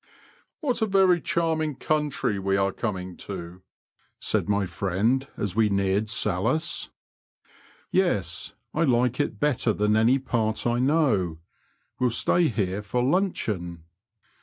*' What a very charming country we are coming to I " said my friend, as we neared Salhouse. " Tes, I like it better than any part I know ; we'll stay here for luncheon."